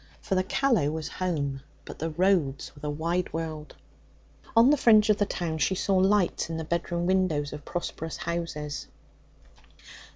For the Callow was home, but the roads were the wide world. On the fringe of the town she saw lights in the bedroom windows of prosperous houses.